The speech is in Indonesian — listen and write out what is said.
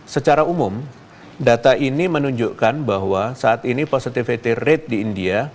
secara umum data ini menunjukkan bahwa saat ini positivity rate di india